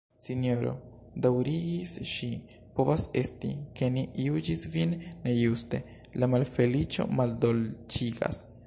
"Sinjoro, daŭrigis ŝi, povas esti, ke ni juĝis vin nejuste: la malfeliĉo maldolĉigas."